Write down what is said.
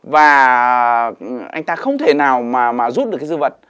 và anh ta không thể nào mà rút được cái dư vật